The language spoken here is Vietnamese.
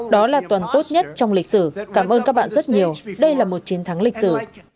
đó là tuần tốt nhất trong lịch sử cảm ơn các bạn rất nhiều đây là một chiến thắng lịch sử